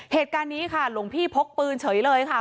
เหตุการณ์นี้ค่ะหลวงพี่พกปืนเฉยเลยค่ะ